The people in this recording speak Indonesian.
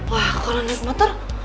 wah kalau naik motor